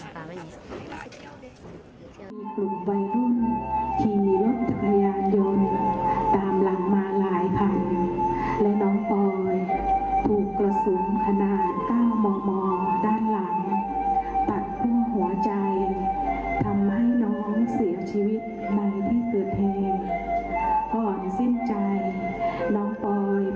ที่กลุ่มวัยรุ่นขี่รถทักรยานยนต์ตามหลังมาหลายภัณฑ์